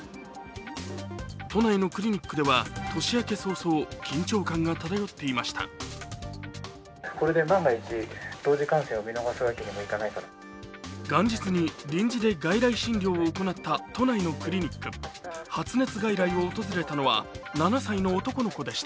都内のクリニックでは年明け早々、緊張感が漂っていました。